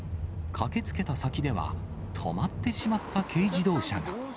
駆けつけた先では、止まってしまった軽自動車が。